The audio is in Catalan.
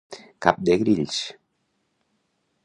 Cap de grills.